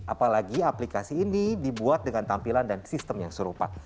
apalagi aplikasi ini dibuat dengan tampilan dan sistem yang serupa